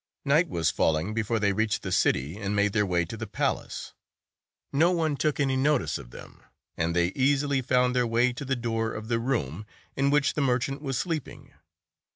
Night was falling before they reached the city and made their way to the palace. No one took any notice of them, and they easily found their way to the door of the room in which the mer chant was sleeping.